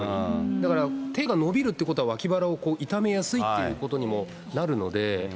だから手が伸びるってことは脇腹を痛めやすいということにもなるので。